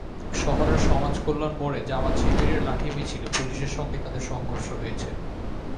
শহরের সমাজকল্যাণ মোড়ে জামায়াত-শিবিরের লাঠি মিছিলে পুলিশের সঙ্গে তাদের সংঘর্ষ হয়েছে।